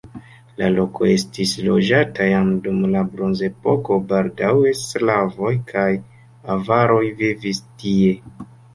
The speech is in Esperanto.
La loko estis loĝata jam dum la bronzepoko, baldaŭe slavoj kaj avaroj vivis tie.